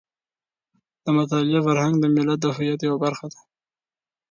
د مطالعې فرهنګ د ملت د هویت یوه برخه ده.